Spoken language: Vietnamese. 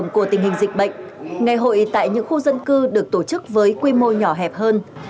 của tình hình dịch bệnh ngày hội tại những khu dân cư được tổ chức với quy mô nhỏ hẹp hơn